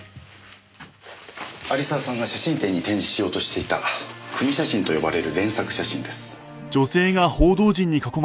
有沢さんが写真展に展示しようとしていた組み写真と呼ばれる連作写真です。